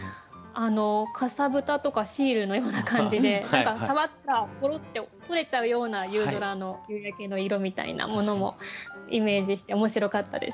かさぶたとかシールのような感じで触ったらぽろって取れちゃうような夕空の夕焼けの色みたいなものもイメージして面白かったです。